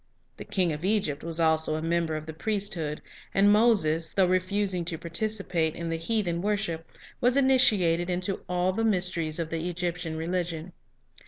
The king of Egypt was also a member of the priesthood ; and Moses, though refusing to participate in the heathen worship, was initiated into all the mysteries of the Egyptian religion.